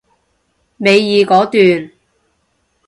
尾二嗰段